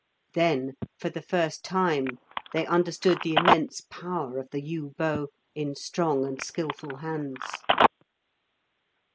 Then, for the first time, they understood the immense power of the yew bow in strong and skilful hands.